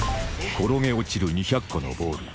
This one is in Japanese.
転げ落ちる２００個のボール